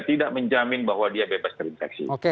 tidak menjamin bahwa dia bebas terinfeksi